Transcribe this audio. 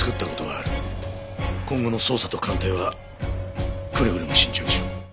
今後の捜査と鑑定はくれぐれも慎重にしろ。